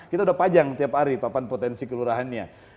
kita sudah panjang tiap hari papan potensi kelurahannya